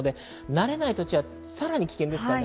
慣れない土地ではさらに危険です。